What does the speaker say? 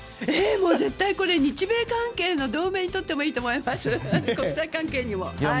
絶対、日米関係の同盟にとってもいいと思います、国際関係にも。